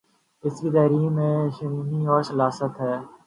اسکی تحریر میں شیرینی اور سلاست ہے